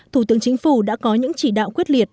thủ tướng chính phủ đã có những chỉ đạo quyết liệt